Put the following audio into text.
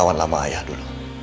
kau kawan lama ayah dulu